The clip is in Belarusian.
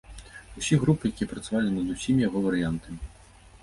Усіх груп, якія працавалі над усімі яго варыянтамі.